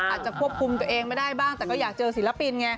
อาจจะควบคุมตัวเองก็ได้แต่ก็อยากเจอศิลปิน